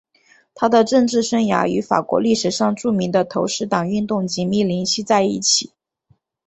他的政治生涯与法国历史上著名的投石党运动紧密联系在一起。